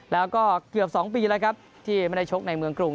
แล้วก็เกือบ๒ปีแล้วครับที่ไม่ได้ชกในเมืองกรุง